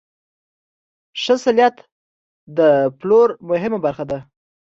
ښه سلیت د پلور مهمه برخه ده.